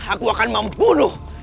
aku akan membunuh